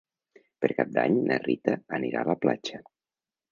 Per Cap d'Any na Rita anirà a la platja.